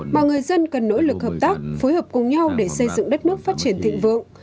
mà người dân cần nỗ lực hợp tác phối hợp cùng nhau để xây dựng đất nước phát triển thịnh vượng